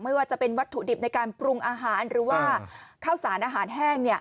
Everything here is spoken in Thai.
ไม่ว่าจะเป็นวัตถุดิบในการปรุงอาหารหรือว่าข้าวสารอาหารแห้ง